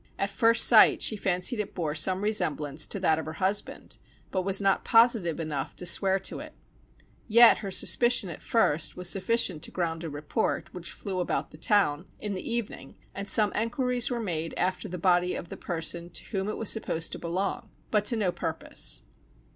At first sight she fancied it bore some resemblance to that of her husband, but was not positive enough to swear to it; yet her suspicion at first was sufficient to ground a report, which flew about the town, in the evening, and some enquiries were made after the body of the person to whom it was supposed to belong but to no purpose.